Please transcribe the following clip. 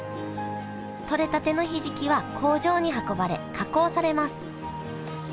取れたてのひじきは工場に運ばれ加工されます